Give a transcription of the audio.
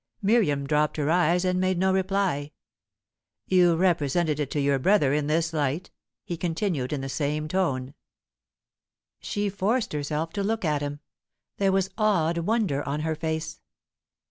Miriam dropped her eyes, and made no reply. "You represented it to your brother in this light?" he continued, in the same tone. She forced herself to look at him; there was awed wonder on her face.